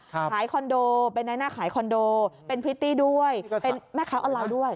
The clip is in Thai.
ขายคอนโดเป็นในหน้าขายคอนโดเป็นพริตตี้ด้วยเป็นแม่ค้าออนไลน์ด้วย